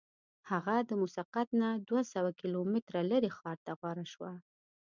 هغه د مسقط نه دوه سوه کیلومتره لرې ښار ته غوره شوه.